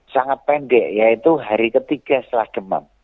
sangat pendek yaitu hari ketiga setelah demam